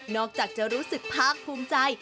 อกจากจะรู้สึกภาคภูมิใจ